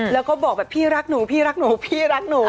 แล้วก็บอกแบบพี่รักหนูพี่รักหนูพี่รักหนู